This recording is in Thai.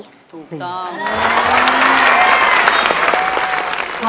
ถูกต้อง